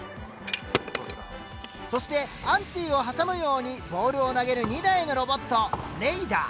そしてアンティを挟むようにボールを投げる２台のロボットレイダー。